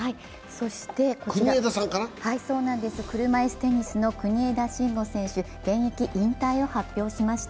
そしてこちら、車いすテニスの国枝慎吾選手、現役引退を発表しました。